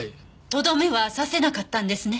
とどめは刺せなかったんですね？